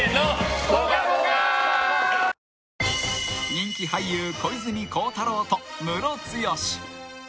［人気俳優小泉孝太郎とムロツヨシ］